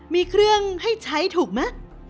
มีเครื่องให้ใช้ถูกไหม